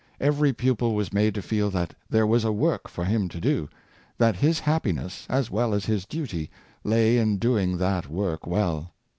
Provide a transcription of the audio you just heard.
Every pupil was made to feel that there was a work for him to do; that his happiness, as well as his duty^ lay in doing that work well.